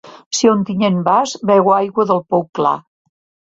Si a Ontinyent vas, beu aigua del Pou Clar.